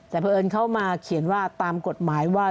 แต่เพราะเอิญเค้ามาเขียนเมื่อกดหมายว่า